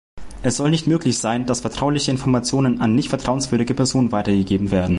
Es soll nicht möglich sein, dass vertrauliche Informationen an nicht vertrauenswürdige Personen weitergegeben werden.